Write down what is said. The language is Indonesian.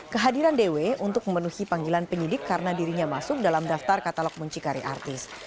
kehadiran dw untuk memenuhi panggilan penyidik karena dirinya masuk dalam daftar katalog muncikari artis